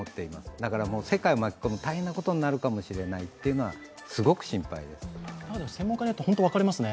だから、世界を巻き込んで大変なことになるかもしれないというのは専門家によって分かれますね。